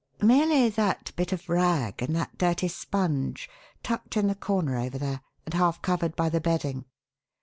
"Merely that bit of rag and that dirty sponge tucked in the corner over there and half covered by the bedding."